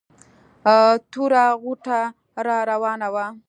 توره غوټه را راوانه وه.